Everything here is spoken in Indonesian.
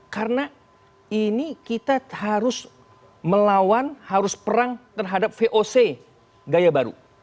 karena ini kita harus melawan harus perang terhadap voc gaya baru